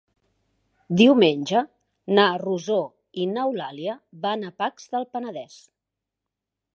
Diumenge na Rosó i n'Eulàlia van a Pacs del Penedès.